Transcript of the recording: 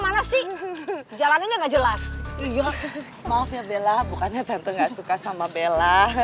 mana sih jalan ini enggak jelas iya maaf ya bella bukannya tante nggak suka sama bella